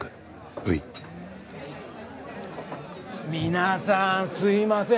皆さんすいません。